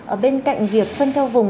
ở bên cạnh việc phân theo vùng